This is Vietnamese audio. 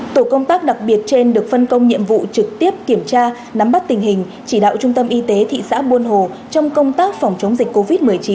tổ công tác đặc biệt trên được phân công nhiệm vụ trực tiếp kiểm tra nắm bắt tình hình chỉ đạo trung tâm y tế thị xã buôn hồ trong công tác phòng chống dịch covid một mươi chín